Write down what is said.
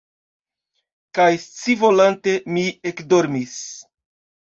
Kaj scivolante, mi ekdormis.